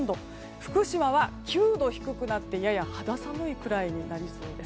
福島は、９度低くなってやや肌寒いくらいになりそうです。